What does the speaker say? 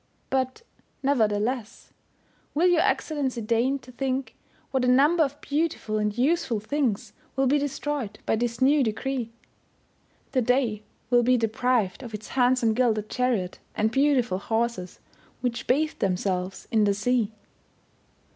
But nevertheless, will your Excellency deign to think what a number of beautiful and useful things will be destroyed by this new decree. The day will be deprived of its handsome gilded chariot, and beautiful horses, which bathe themselves in the sea.